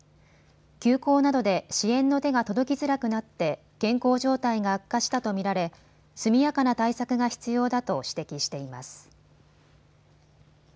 休校などで支援の手が届きづらくなって健康状態が悪化したと見られ速やかな対策が必要だと指摘しています。